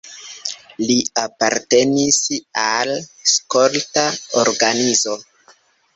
Li apartenis al skolta organizo.